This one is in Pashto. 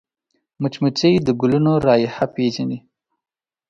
مچمچۍ د ګلونو رایحه پېژني